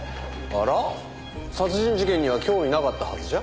あら殺人事件には興味なかったはずじゃ？